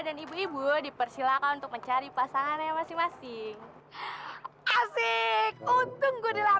dan ibu ibu dipersilakan untuk mencari pasangan yang masing masing asyik untung gue dilatih aneh